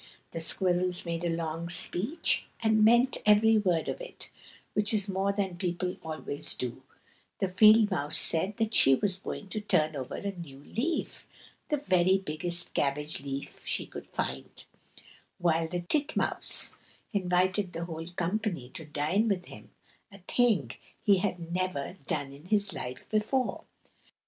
The squirrels made a long speech, and meant every word of it, which is more than people always do; the field mouse said that she was going to turn over a new leaf, the very biggest cabbage leaf she could find; while the titmouse invited the whole company to dine with him, a thing he had never done in his life before.